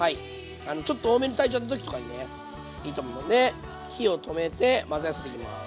ちょっと多めに炊いちゃった時とかにねいいと思うんで火を止めて混ぜ合わせていきます。